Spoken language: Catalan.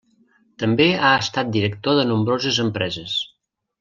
També ha estat director de nombroses empreses.